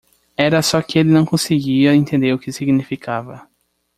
Era só que ele não conseguia entender o que significava.